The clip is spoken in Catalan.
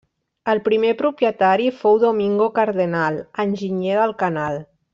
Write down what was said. El primer propietari fou Domingo Cardenal, enginyer del canal.